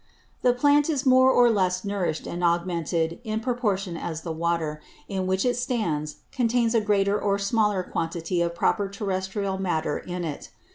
4. _The Plant is more or less nourish'd and augmented, in Proportion as the Water, in which it stands, contains a greater or smaller Quantity of proper terrestrial Matter in it.